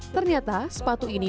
ternyata sepatu ini